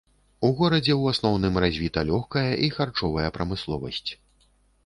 У горадзе ў асноўным развіта лёгкая і харчовая прамысловасць.